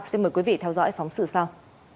xin mời quý vị theo dõi phóng sự sau